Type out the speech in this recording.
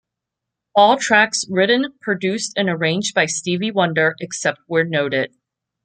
All tracks written, produced and arranged by Stevie Wonder, except where noted.